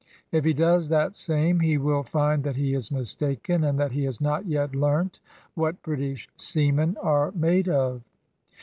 If he does that same he will find that he is mistaken, and that he has not yet learnt what British seamen are made of."